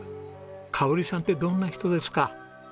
香さんってどんな人ですか？